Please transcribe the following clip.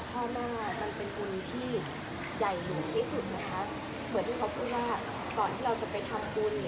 เป็นอุณหภีมิที่ใหญ่อยู่ในที่สุดนะคะเพราะที่เขาพูดว่าก่อนที่เราจะไปทำอุณหภีมิ